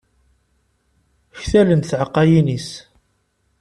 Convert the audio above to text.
Ktalent tɛaqqayin-is.